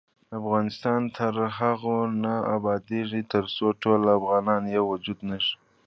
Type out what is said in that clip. افغانستان تر هغو نه ابادیږي، ترڅو ټول افغانان یو وجود نشي.